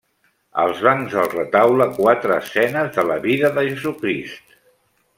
Als bancs del retaule quatre escenes de la vida de Jesucrist.